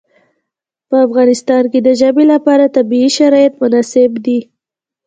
په افغانستان کې د ژبې لپاره طبیعي شرایط مناسب دي.